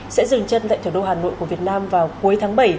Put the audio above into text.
sẽ dừng chân tại thủ đô hà nội của việt nam vào cuối tháng bảy